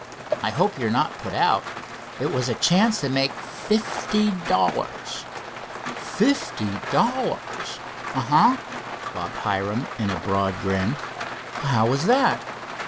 I hope you're not put out. It was a chance to make fifty dollars." "Fifty dollars?" "Uh huh," bobbed Hiram in a broad grin. "How was that?"